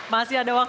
masih ada waktu pak